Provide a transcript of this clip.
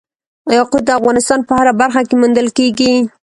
یاقوت د افغانستان په هره برخه کې موندل کېږي.